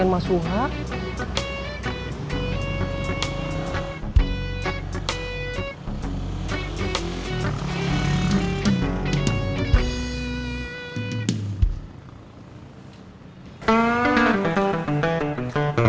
umpins ada rb berbicara